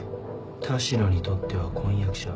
田代にとっては婚約者。